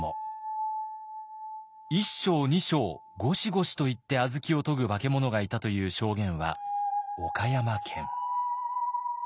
「一升二升ゴシゴシ」と言って小豆をとぐ化け物がいたという証言は岡山県。